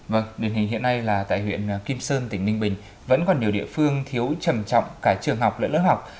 vâng định hình hiện nay tại huyện kim sơn tỉnh ninh bình vẫn còn nhiều địa phương thiếu trầm trọng cả trường học lớp học